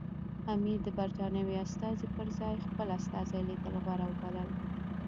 امیر د برټانوي استازي پر ځای خپل استازی لېږل غوره وبلل.